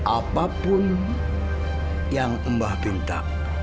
apapun yang mbah bintang